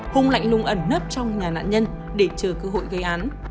hùng lạnh lùng ẩn nấp trong nhà nạn nhân để chờ cơ hội gây án